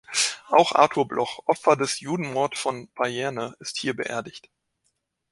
Auch Arthur Bloch, Opfer des «Judenmord von Payerne», ist hier beerdigt.